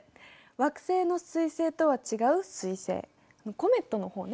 惑星の水星とは違う彗星コメットの方ね。